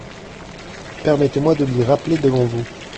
Permettez-moi de l'y rappeler devant vous.